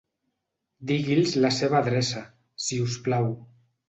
Digui'ls la seva adreça, si us plau.